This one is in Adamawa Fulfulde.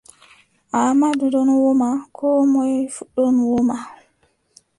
Aamadu ɗon woma Koo moy fuu ɗon woma.